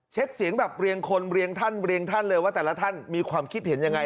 เสียงแบบเรียงคนเรียงท่านเรียงท่านเลยว่าแต่ละท่านมีความคิดเห็นยังไง